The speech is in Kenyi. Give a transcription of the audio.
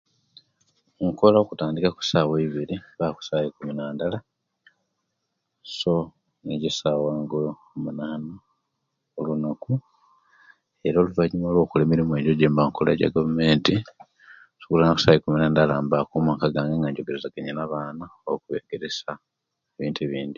Nkola okutandika kusawa ebiri paka kusawa ikumi nandala so nijo esawa nga omunana olunaku oluvanyuma olwokola emirimu ejo eje'gavumenti nsobola esawa eikumi nandala mbaku mumaka gange nga njogerezya nabana okubegeresya ebintu ebindi